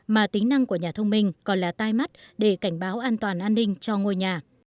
mà tính năng của nhà thông minh còn là tai mắt để cảnh báo an toàn an ninh cho ngôi nhà